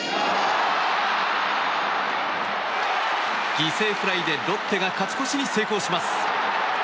犠牲フライでロッテが勝ち越しに成功します。